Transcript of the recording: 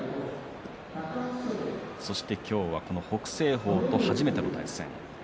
そして、今日は北青鵬との初めての対戦です。